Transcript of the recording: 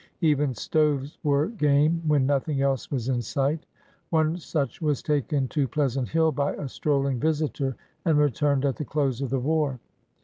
Even stoves were game when nothing else was in sight. One such was taken to Pleasant Hill by a strolling visitor and returned at the close of the war.